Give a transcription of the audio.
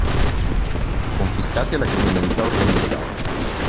Confiscati alla criminalità organizzata.